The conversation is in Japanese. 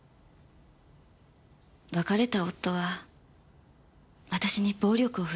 別れた夫は私に暴力を振るいました。